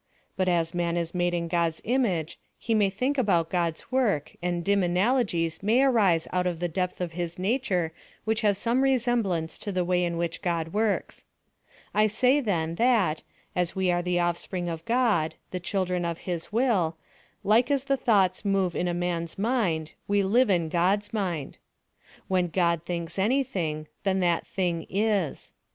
But as man is made in God's image, he may think about God's work, and dim analogies may arise out of the depth of his nature which have some resemblance to the way in which God works. I say then, that, as we are the offspring of God the children of his will, like as the thoughts move in a man's mind, we live in God's mind. When God thinks anything, then that thing is.